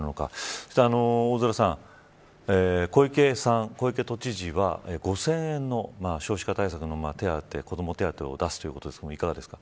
そして大空さん、小池都知事は５０００円の少子化対策の手当子ども手当を出すということですがいかがですか。